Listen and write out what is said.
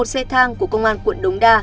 một xe thang của công an quận đông đa